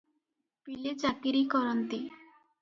ପିଲେ ଚାକିରି କରନ୍ତି ।